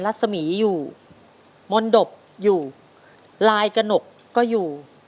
ลัสสมีอยู่มนต์ดบอยู่ลายกระหนบก็อยู่